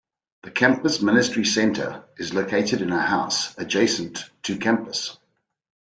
The Campus Ministry Center is located in a house adjacent to campus.